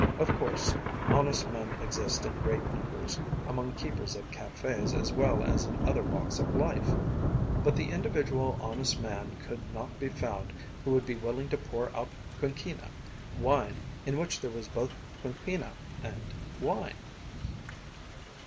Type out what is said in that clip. Of course, honest men exist in great numbers, among keepers of cafés as well as in other walks of life; but the individual honest man could not be found who would be willing to pour out quinquina wine in which there was both quinquina and wine.